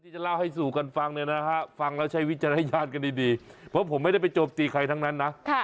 จะเล่าให้สู่กันฟังเนี่ยนะฮะฟังแล้วใช้วิจารณญาณกันดีเพราะผมไม่ได้ไปโจมตีใครทั้งนั้นนะ